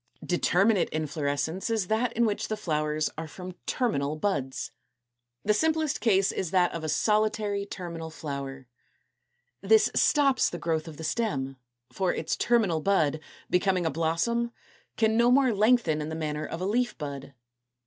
=Determinate Inflorescence= is that in which the flowers are from terminal buds. The simplest case is that of a solitary terminal flower, as in Fig. 210. This stops the growth of the stem; for its terminal bud, becoming a blossom, can no more lengthen in the manner of a leaf bud.